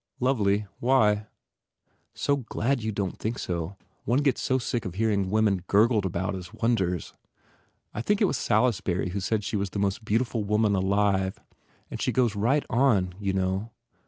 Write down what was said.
"Lovely? Why?" "So glad you don t think so. One gets so sick of hearing women gurgled about as wonders. I think it was Salisbury who said she was the most beautiful woman alive. And she goes right on, you know?